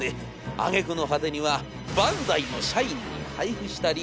あげくの果てにはバンダイの社員に配布したり。